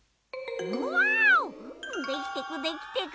うわおできてくできてく。